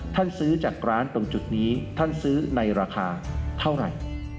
ซื้อจากร้านตรงจุดนี้ท่านซื้อในราคาเท่าไหร่